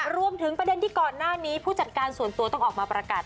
ประเด็นที่ก่อนหน้านี้ผู้จัดการส่วนตัวต้องออกมาประกาศ